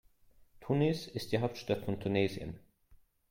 Tunis ist die Hauptstadt von Tunesien.